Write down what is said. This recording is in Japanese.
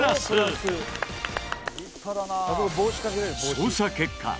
捜査結果